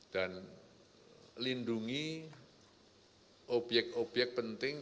dan lindungi obyek obyek penting